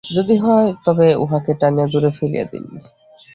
যদি হয়, তবে উহাকে টানিয়া দূরে ফেলিয়া দিন।